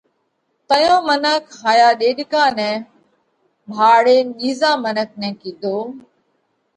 تئيون منک هائيا ڏيڏڪا نئہ ڀاۯينَ ٻِيزا منک نئہ ڪِيڌو: